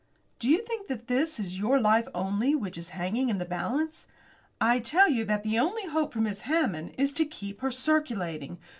Do you think that it is your life only which is hanging in the balance? I tell you that the only hope for Miss Hammond is to keep her circulating.